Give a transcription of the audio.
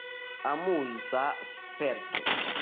Amuza sperto.